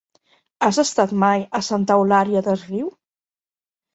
Has estat mai a Santa Eulària des Riu?